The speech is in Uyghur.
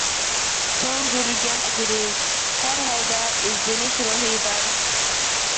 سىڭدۈرگەن ئەجرى: ھەر ھالدا ئىزدىنىش روھى بار.